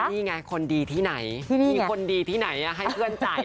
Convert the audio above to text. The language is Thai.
นี่ไงคนดีที่ไหนมีคนดีที่ไหนให้เพื่อนจ่าย